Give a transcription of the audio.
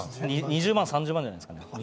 ２０万、３０万じゃないですかね。